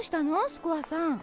スコアさん。